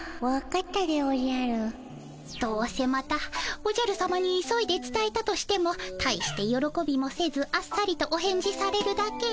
こころのこえどうせまたおじゃるさまに急いでつたえたとしても大してよろこびもせずあっさりとお返事されるだけ。